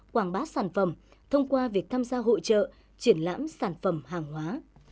quảng bá sản phẩm thông qua việc tham gia hội trợ triển lãm sản phẩm hàng hóa